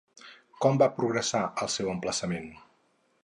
Com va progressar el seu emplaçament?